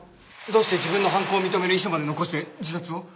どうして自分の犯行を認める遺書まで残して自殺を？